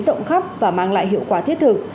rộng khắp và mang lại hiệu quả thiết thực